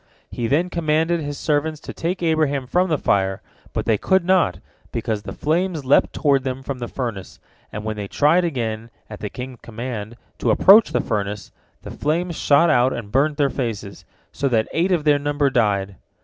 He then commanded his servants to take Abraham from the fire, but they could not, because the flames leapt toward them from the furnace, and when they tried again, at the king's command, to approach the furnace, the flames shot out and burnt their faces, so that eight of their number died.